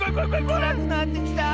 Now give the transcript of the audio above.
くらくなってきた！